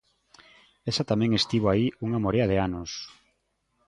Esa tamén estivo aí unha morea de anos.